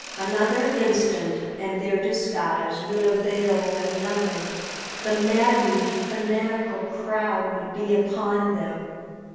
Another instant, and their disguise would avail them nothing; the maddened, fanatical crowd would be upon them.